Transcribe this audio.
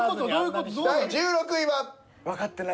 第１６位は？